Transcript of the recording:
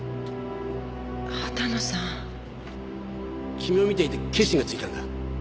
君を見ていて決心がついたんだ。